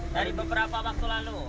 dari beberapa waktu lalu